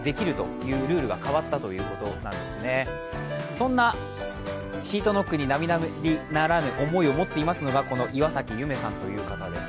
そんなシートノックに並々ならぬ思いを持っていますのが、この岩崎由芽さんという方です。